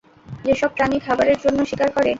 যেসব প্রাণী খাবারের জন্য শিকার করে।